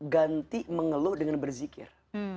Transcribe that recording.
ganti mengeluh dengan berzikir